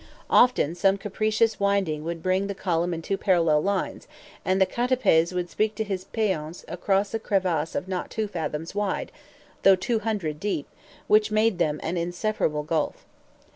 Often some capricious winding would bring the column in two parallel lines, and the CATAPEZ could speak to his PEONS across a crevasse not two fathoms wide, though two hundred deep, which made between them an inseparable gulf.